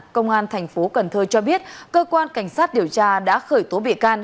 công an thành phố cần thơ cho biết cơ quan cảnh sát điều tra đã khởi tố bị can